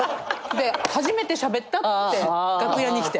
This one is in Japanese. で「初めてしゃべった」って楽屋に来て。